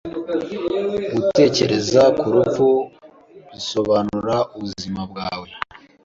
Gutekereza ku rupfu bisobanura ubuzima bwawe.